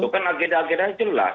itu kan ageda ageda yang jelas